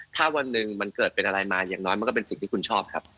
ถ้าวันหนึ่งมันเกิดเป็นอะไรมาอย่างน้อยมันก็เป็นสิ่งที่คุณชอบครับ